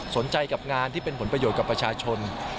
สนใจกับงานที่เป็นผลประโยชน์กับประชาชน